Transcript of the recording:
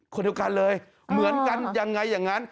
คนเดียวกันเลยเหมือนกันยังไงอย่างนั้น